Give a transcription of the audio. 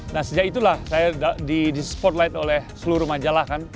nah sejak itulah saya di spotlight oleh seluruh majalah kan